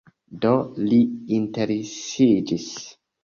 Do, li interesiĝis